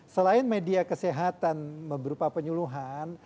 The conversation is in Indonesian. selain media kesehatan berupa penyuluhan